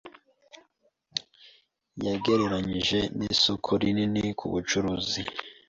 yagereranyije n’isoko rinini ku bucuruzi